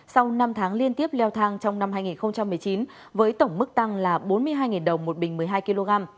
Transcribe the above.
sau năm tháng liên tiếp leo thang trong năm hai nghìn một mươi chín với tổng mức tăng là bốn mươi hai đồng một bình một mươi hai kg